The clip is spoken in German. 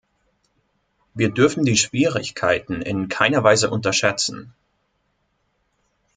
Wir dürfen die Schwierigkeiten in keiner Weise unterschätzen.